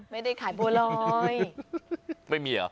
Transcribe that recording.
ไม่ได้ขายบัวรอย